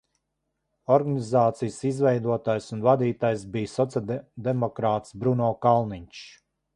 Organizācijas izveidotājs un vadītājs bija sociāldemokrāts Bruno Kalniņš.